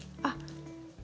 あっ。